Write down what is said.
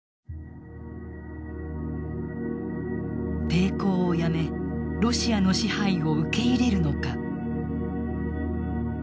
抵抗をやめロシアの支配を受け入れるのか。